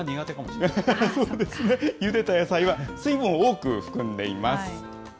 ゆでた野菜は水分を多く含んでいます。